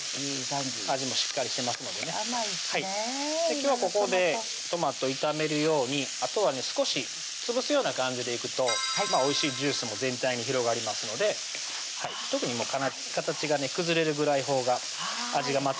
今日はここでトマト炒めるようにあとはね少しつぶすような感じでいくとおいしいジュースも全体に広がりますので特に形が崩れるぐらいほうが味がまとまると思います